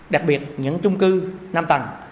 đặc biệt những chung cư năm tầng